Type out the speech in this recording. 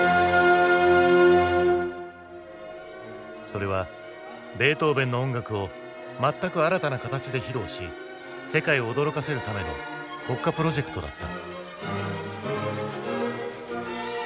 それはベートーヴェンの音楽を全く新たな形で披露し世界を驚かせるための国家プロジェクトだった。